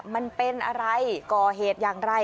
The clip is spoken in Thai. มันเป็นอะไรก่อเหตุอย่างไร